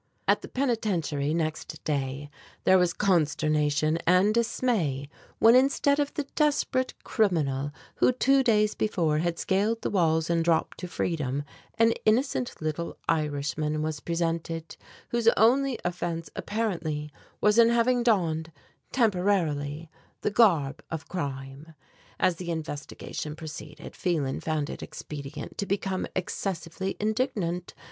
At the Penitentiary next day there was consternation and dismay when instead of the desperate criminal, who two days before had scaled the walls and dropped to freedom, an innocent little Irishman was presented, whose only offense apparently was in having donned, temporarily, the garb of crime. As the investigation proceeded, Phelan found it expedient, to become excessively indignant.